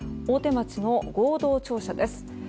大手町の合同庁舎です。